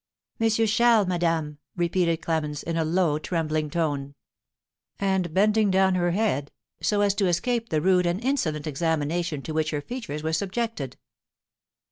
"M. Charles, madame," repeated Clémence, in a low, trembling tone, and bending down her head, so as to escape the rude and insolent examination to which her features were subjected.